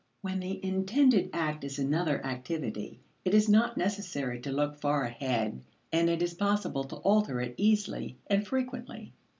When the intended act is another activity, it is not necessary to look far ahead and it is possible to alter it easily and frequently.